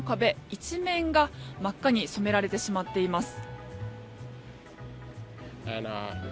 一面が真っ赤に染められてしまっています。